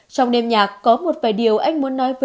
trong đêm nhạc có một vài điều anh muốn nói với em